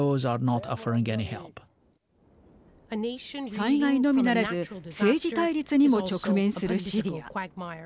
災害のみならず政治対立にも直面するシリア。